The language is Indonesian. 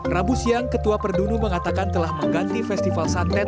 rabu siang ketua perdunu mengatakan telah mengganti festival santet